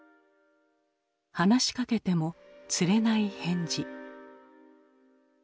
話しかけてもつれない返事。